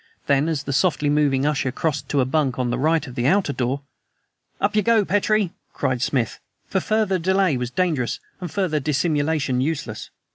Then, as the softly moving usher crossed to a bunk on the right of the outer door "Up you go, Petrie," cried Smith, for further delay was dangerous and further dissimulation useless.